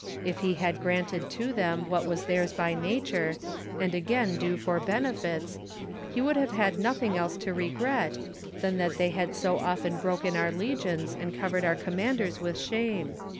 If he had granted to them what was theirs by nature, and again due for bene fits, he would have had nothing else to regret, than that they had so often broken our legions, and covered our commanders with shame.